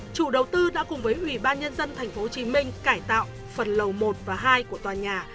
chủ đầu tư đã cùng với ủy ban nhân dân tp hcm cải tạo phần lầu một và hai của tòa nhà